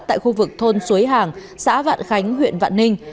tại khu vực thôn xuối hàng xã vạn khánh huyện vạn ninh